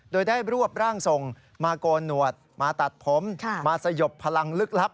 โดยได้รวบร่างทรงมาโกนหนวดมาตัดผมมาสยบพลังลึกลับ